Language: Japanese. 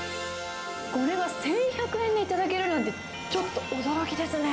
これが１１００円で頂けるなんて、ちょっと驚きですね。